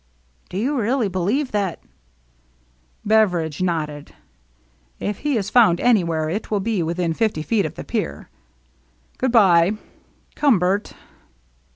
" Do you really believe that —" Beveridge nodded. "If he is found any where, it will be within fifty feet of the pier. Good by. Come, Bert."